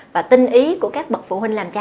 và tinh ý của các bậc phụ huynh làm cha